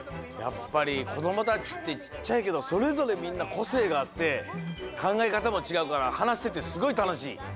やっぱりこどもたちってちっちゃいけどそれぞれみんなこせいがあってかんがえかたもちがうからはなしててすごいたのしい。